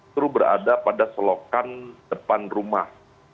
itu berada pada selokan depan rumah